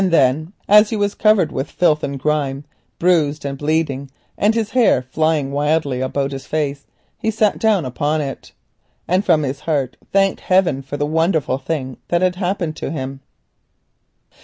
Then as he was, covered with filth and grime, bruised and bleeding, his hair flying wildly about his face, he sat down upon it, and from his heart thanked heaven for the wonderful thing that had happened to him.